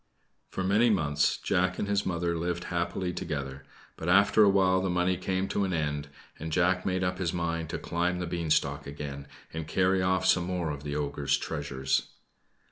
For many months Jack and his mother lived happily together; but after a while the money came to an end, and Jack made up his mind to climb the beanstalk again, and carry off some more of the ogre's treasures.